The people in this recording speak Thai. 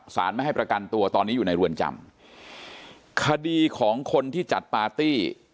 ไม่ให้ประกันตัวตอนนี้อยู่ในเรือนจำคดีของคนที่จัดปาร์ตี้